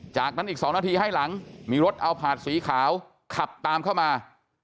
จากนั้นอีก๒นาทีให้หลังมีรถเอาผาดสีขาวขับตามเข้ามา